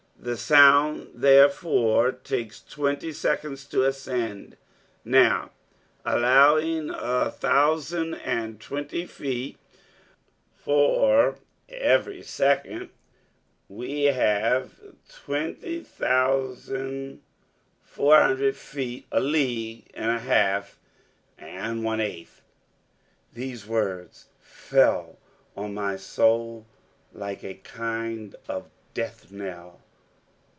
The sound, therefore, takes twenty seconds to ascend. Now, allowing a thousand and twenty feet for every second we have twenty thousand four hundred feet a league and a half and one eighth." These words fell on my soul like a kind of death knell.